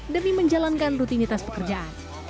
jadi menjalankan rutinitas pekerjaan